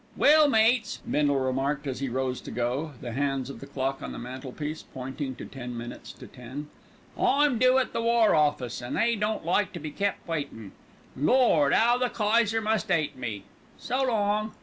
"Well, mates," Bindle remarked, as he rose to go, the hands of the clock on the mantelpiece pointing to ten minutes to ten, "I'm due at the War Office, an' they don't like to be kep' waitin'. Lord! 'ow the Kayser must 'ate me! So long."